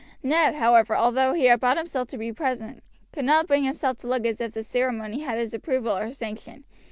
Ned, however, although he had brought himself to be present, could not bring himself to look as if the ceremony had his approval or sanction.